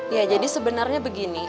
ya jadi sebenarnya begini